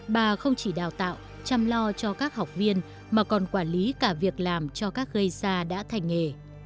bà không chỉ đào tạo chăm lo cho các học viên mà còn quản lý cả việc làm cho các gây xa đã thành nghề